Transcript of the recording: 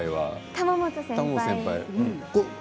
玉本先輩。